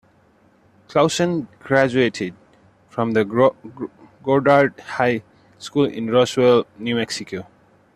Claussen graduated from Goddard High School in Roswell, New Mexico.